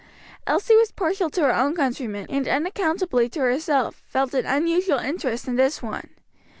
Elsie was partial to her own countrymen, and unaccountably to herself, felt an unusual interest in this one.